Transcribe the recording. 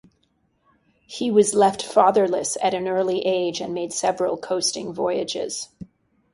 He was left fatherless at an early age, and made several coasting voyages.